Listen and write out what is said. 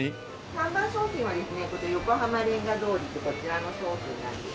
看板商品はですねこちら横濱レンガ通りってこちらの商品なんです。